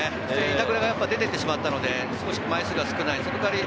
板倉が出て行ってしまったので枚数が少ない。